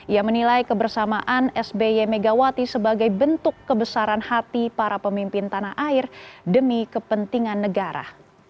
ia menilai kebersamaan sby megawati sebagai bentuk kebesaran hati para pemimpin tanah air demi kepentingan negara